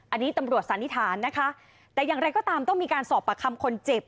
อันนี้ตำรวจสันนิษฐานนะคะแต่อย่างไรก็ตามต้องมีการสอบประคำคนเจ็บ